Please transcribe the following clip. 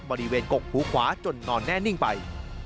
บริเวณกกหูขวาจนนอนแน่นิ่งไป